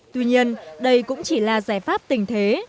tuy nhiên đây cũng chỉ là giải pháp tình thế